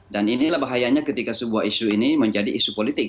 dan inilah bahayanya ketika sebuah isu ini menjadi isu politik